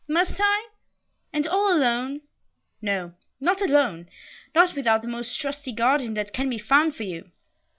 "Must I and all alone?" "No, not alone, not without the most trusty guardian that can be found for you.